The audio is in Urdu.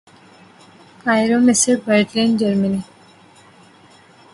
قاہرہ مصر برلن جرمنی